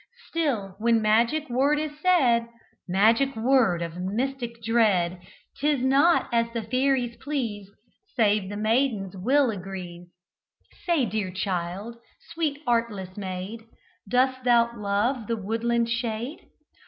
Still when magic word is said, Magic word of mystic dread, 'Tis not as the Fairies please, Save the Maiden's will agrees. Say, dear child, sweet artless maid, Dost thou love the woodland shade?